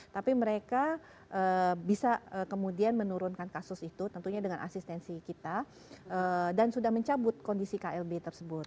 tapi mereka bisa kemudian menurunkan kasus itu tentunya dengan asistensi kita dan sudah mencabut kondisi klb tersebut